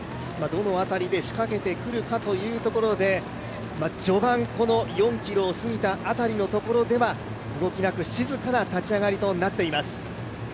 どの辺りで仕掛けてくるかというところで序盤、この４ｋｍをすぎた辺りのところでは、動きなく静かな立ち上がりとなっています。